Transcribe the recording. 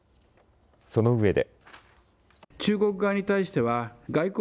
そのうえで。